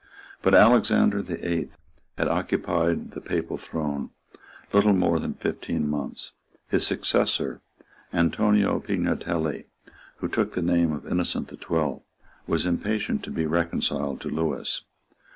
But Alexander the Eighth had occupied the papal throne little more than fifteen months. His successor, Antonio Pignatelli, who took the name of Innocent the Twelfth, was impatient to be reconciled to Lewis.